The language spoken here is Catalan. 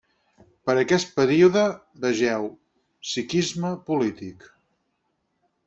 Per aquest període vegeu: sikhisme polític.